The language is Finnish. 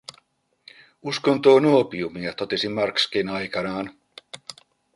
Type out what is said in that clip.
Uskonto on oopiumia, totesi Marxkin aikanaan.